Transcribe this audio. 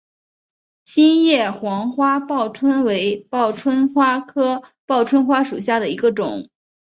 心叶黄花报春为报春花科报春花属下的一个种。